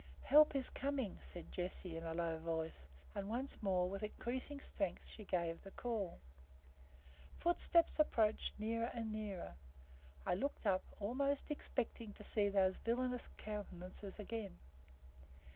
"Help is coming," said Jessie, in a low voice, and once more with increasing strength she gave the call. Footsteps approached nearer and nearer. I looked up, almost expecting to see those villainous countenances again.